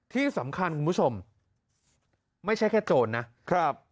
ที่สำคัญคุณผู้ชมไม่ใช่แค่โจรนะครับ